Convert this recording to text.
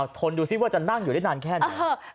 ทนดูซิว่าจะนั่งอยู่ได้นานแค่ไหน